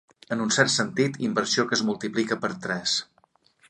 En un cert sentit, inversió que es multiplica per tres.